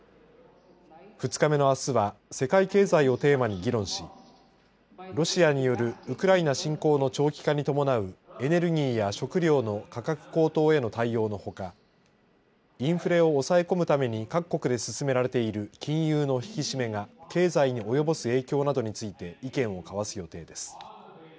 ２日目のあすは世界経済をテーマに議論しロシアによるウクライナ侵攻の長期化に伴うエネルギーや食料の価格高騰への対応のほかインフレを抑え込むために各国で進められている金融の引き締めが経済に及ぼす影響などについて意見を交わす予定です。